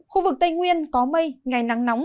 khu vực tây nguyên có mây ngày nắng nóng